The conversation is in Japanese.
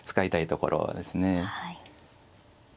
はい。